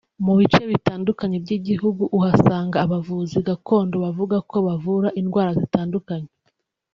Mu bice bitandukanye by’igihugu uhasanga abavuzi gakondo bavuga ko bavura indwara zitandukanye